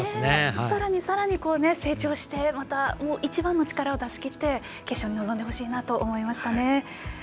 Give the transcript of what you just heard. さらにさらに成長して一番の力を出し切って決勝に臨んでほしいと思いましたね。